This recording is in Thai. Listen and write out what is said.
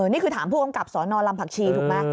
นี่คือถามผู้กำกับสนลำผักชีถูกไหม